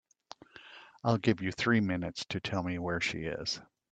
I'll give you three minutes to tell me where she is.